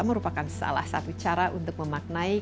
merupakan salah satu cara untuk memaknai